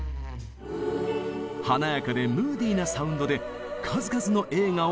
華やかでムーディーなサウンドで数々の映画を彩りました。